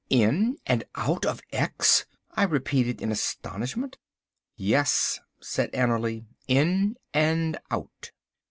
"In and out of X," I repeated in astonishment. "Yes," said Annerly, "in and out."